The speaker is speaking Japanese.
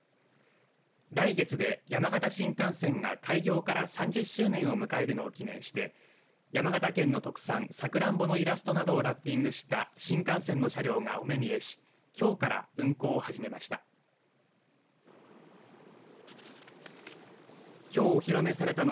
来月で山形新幹線が開業から３０周年を迎えるの記念して山形県の特産さくらんぼのイラストなどでラッピングした新幹線の車両がお目見えしきょうから運行を始めました。